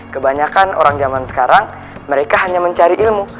kebanyakan orang zaman sekarang mereka hanya mencari ilmu